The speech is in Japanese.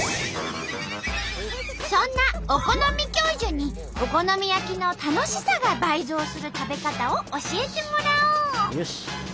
そんなお好み教授にお好み焼きの楽しさが倍増する食べ方を教えてもらおう！